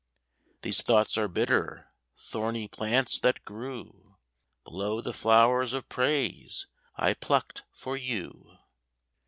These thoughts are bitter—thorny plants, that grew Below the flowers of praise I plucked for you.